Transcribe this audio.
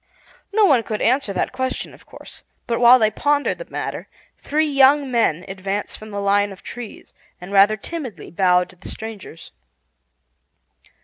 No one could answer that question, of course; but while they pondered the matter three young men advanced from the line of trees, and rather timidly bowed to the strangers.